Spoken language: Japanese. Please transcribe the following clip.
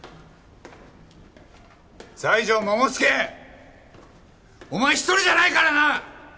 西条桃介！お前一人じゃないからな！